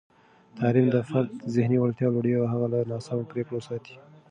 تعلیم د فرد ذهني وړتیا لوړوي او هغه له ناسمو پرېکړو ساتي.